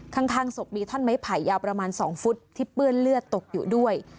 ข้างศพมีท่อนไม้ไผ่ยาวประมาณ๒ฟุตที่เปื้อนเลือดตกอยู่ด้วย